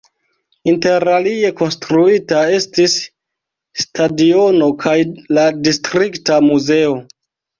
Interalie konstruita estis stadiono kaj la distrikta muzeo.